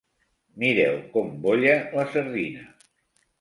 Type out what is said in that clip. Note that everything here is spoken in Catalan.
Mireu com bolla la sardina!